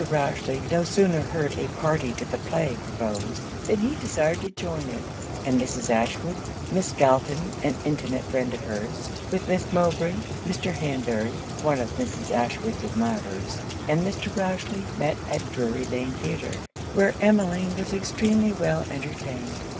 Rochely no sooner heard a party to the play proposed, than he desired to join it; and Mrs. Ashwood, Miss Galton, (an intimate friend of her's), with Miss Mowbray, Mr. Hanbury, (one of Mrs. Ashwood's admirers), and Mr. Rochely, met at Drury Lane Theatre; where Emmeline was extremely well entertained.